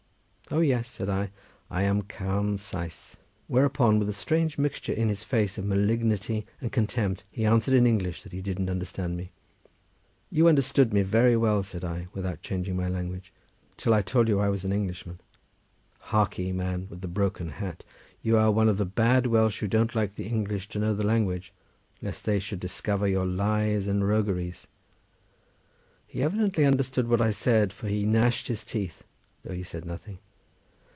"O yes!" said I, "I am Carn Sais;" whereupon with a strange mixture in his face of malignity and contempt, he answered in English that he didn't understand me. "You understood me very well," said I, without changing my language, "till I told you I was an Englishman. Harkee, man with the broken hat, you are one of the bad Welsh, who don't like the English to know the language, lest they should discover your lies and rogueries." He evidently understood what I said, for he gnashed his teeth though he said nothing.